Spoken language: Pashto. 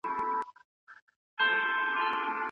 اووم دوږخ دي ځای د کرونا سي.